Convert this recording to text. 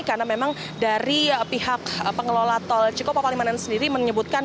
karena memang dari pihak pengelola tol cikopo palingmanan sendiri menyebutkan